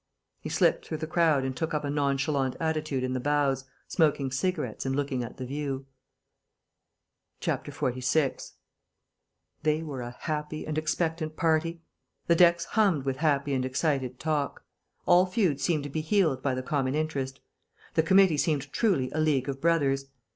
He slipped through the crowd and took up a nonchalant attitude in the bows, smoking cigarettes and looking at the view. 46 They were a happy and expectant party. The decks hummed with happy and excited talk. All feuds seemed to be healed by the common interest. The committee seemed truly a League of Brothers.